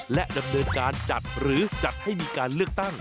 และดำเนินการจัดหรือจัดให้มีการเลือกตั้ง